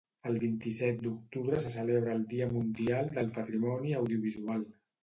El vint-i-set d'octubre se celebra el Dia Mundial del Patrimoni Audiovisual.